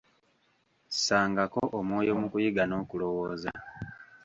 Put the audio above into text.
Ssangako omwoyo ku kuyiga n'okulowooza.